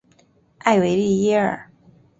埃维利耶尔。